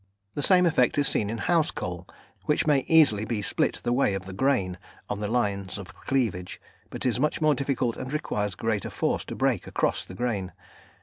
The same effect is seen in house coal, which may easily be split the way of the grain (on the lines of cleavage), but is much more difficult and requires greater force to break across the grain.